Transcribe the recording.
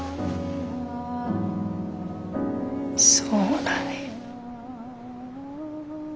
そうだね。